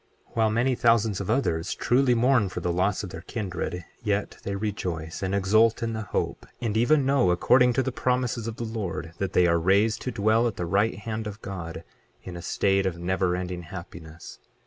28:12 While many thousands of others truly mourn for the loss of their kindred, yet they rejoice and exult in the hope, and even know, according to the promises of the Lord, that they are raised to dwell at the right hand of God, in a state of never ending happiness.